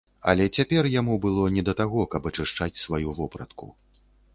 Але цяпер яму было не да таго, каб ачышчаць сваю вопратку.